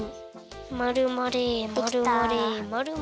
まるまれまるまれまるまれ。